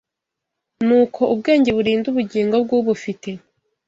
ni uko ubwenge burinda ubugingo bw’ubufite